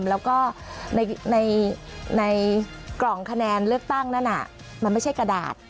แล้วก็ในกล่องคะแนนเลือกตั้งนั้นมันไม่ใช่กระดาษ